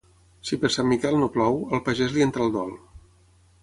Si per Sant Miquel no plou, al pagès li entra el dol.